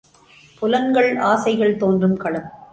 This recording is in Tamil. புலன்கள், ஆசைகள் தோன்றும் களம்.